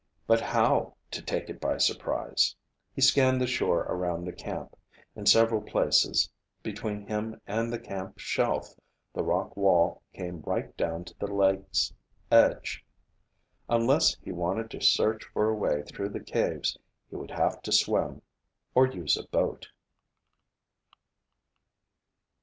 But how to take it by surprise? He scanned the shore around the camp. In several places between him and the camp shelf, the rock wall came right down to the lake's edge. Unless he wanted to search for a way through the caves, he would have to swim. Or use a boat.